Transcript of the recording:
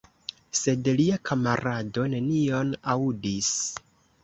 Sed lia kamarado nenion aŭdis.